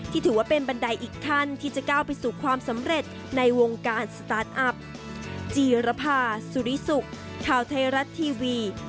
ถือว่าเป็นบันไดอีกขั้นที่จะก้าวไปสู่ความสำเร็จในวงการสตาร์ทอัพ